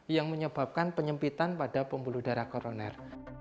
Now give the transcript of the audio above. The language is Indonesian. yang menyebabkan penyempitan pada pembuluh darah koroner